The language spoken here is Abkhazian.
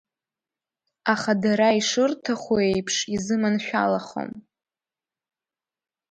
Аха дара ишырҭаху еиԥш изыманшәалахом.